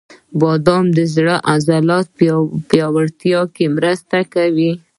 • بادام د زړه د عضلاتو پیاوړتیا کې مرسته کوي.